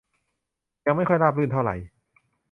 ยังไม่ค่อยราบรื่นเท่าไหร่